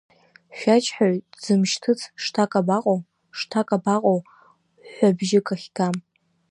Шәаџьҳәаҩ дзымшьҭыц шҭак абаҟоу, шҭак абаҟоу ҳәҳәабжьык ахьгам.